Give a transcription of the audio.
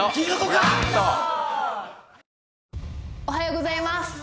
おはようございます